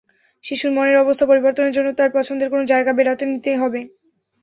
শিশুর মনের অবস্থা পরিবর্তনের জন্য তার পছন্দের কোনো জায়গায় বেড়াতে নিতে হবে।